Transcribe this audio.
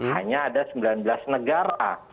hanya ada sembilan belas negara